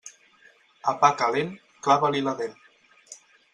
A pa calent, clava-li la dent.